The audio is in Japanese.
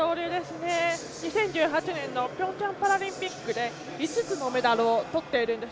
２０１８年のピョンチャンパラリンピックで５つのメダルをとっているんです。